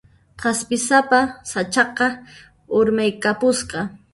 K'aspisapa sach'aqa urmaykapusqa.